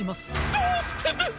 どうしてです！？